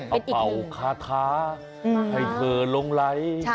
เป่าคาทะให้เธอลงไหล